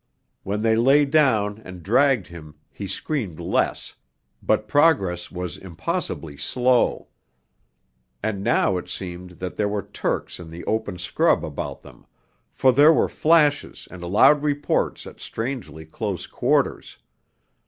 When they lay down and dragged him he screamed less, but progress was impossibly slow. And now it seemed that there were Turks in the open scrub about them, for there were flashes and loud reports at strangely close quarters.